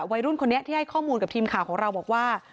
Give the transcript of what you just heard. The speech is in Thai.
วัยรุ่นคนนี้ที่ให้ข้อมูลกับทีมข่าวของเราบอกว่า